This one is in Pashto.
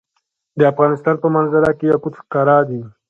د افغانستان په منظره کې یاقوت ښکاره ده.